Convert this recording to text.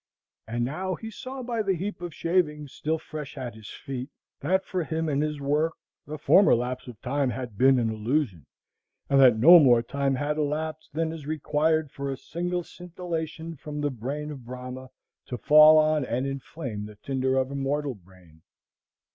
And now he saw by the heap of shavings still fresh at his feet, that, for him and his work, the former lapse of time had been an illusion, and that no more time had elapsed than is required for a single scintillation from the brain of Brahma to fall on and inflame the tinder of a mortal brain.